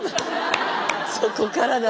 そこからだ。